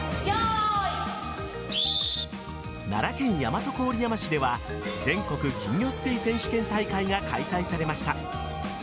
奈良県大和郡山市では全国金魚すくい選手権大会が開催されました。